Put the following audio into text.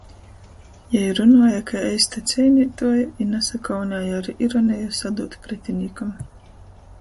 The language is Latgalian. Jei runuoja kai eista ceineituoja i nasakaunēja ar ironeju sadūt pretinīkam.